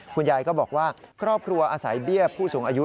คุณยายก็บอกว่าครอบครัวอาศัยเบี้ยผู้สูงอายุ